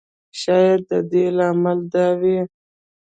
شاید د دې لامل دا وي.